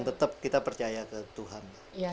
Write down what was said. tetap kita percaya ke tuhan